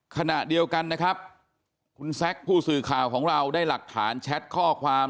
ขณะเดียวกันนะครับคุณแซคผู้สื่อข่าวของเราได้หลักฐานแชทข้อความ